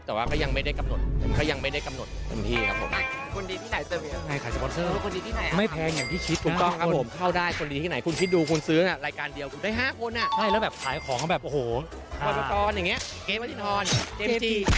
แต่ว่าเค้ายังไม่ได้กำหนดทุนที้ครับผม